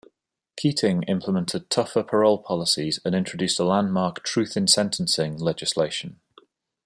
Keating implemented tougher parole policies and introduced a landmark truth-in-sentencing legislation.